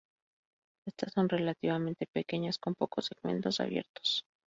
Estas son relativamente pequeñas, con pocos segmentos abiertos.